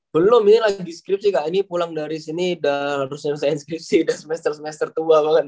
belum ini lagi skripsi kak ini pulang dari sini udah harusnya saya skripsi udah semester semester tua banget